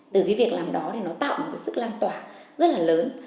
từ cái việc làm đó thì nó tạo một cái sức lan tỏa rất là lớn